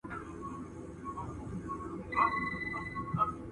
آس په خپل خلاصون سره د کلي لپاره د امید نښه شو.